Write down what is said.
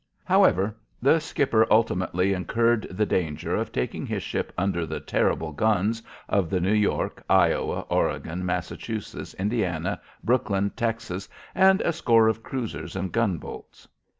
However, the skipper ultimately incurred the danger of taking his ship under the terrible guns of the New York, Iowa, Oregon, Massachusetts, Indiana, Brooklyn, Texas and a score of cruisers and gunboats.